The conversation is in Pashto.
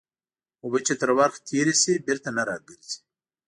اوبه چې تر ورخ تېري سي بېرته نه راګرځي.